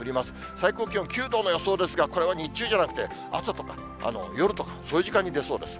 最高気温９度の予想ですが、これは日中じゃなくて、朝とか夜とか、そういう時間に出そうです。